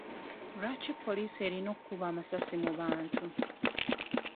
Lwaki poliisi erina okuba amasasi mu bantu.